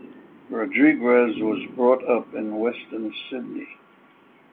Rodriguez was brought up in Western Sydney.